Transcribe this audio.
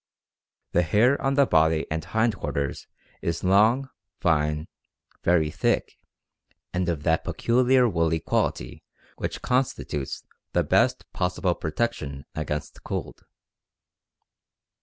The hair on the body and hind quarters is long, fine, very thick, and of that peculiar woolly quality which constitutes the best possible protection against cold.